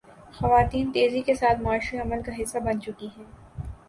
خواتین تیزی کے ساتھ معاشی عمل کا حصہ بن چکی ہیں۔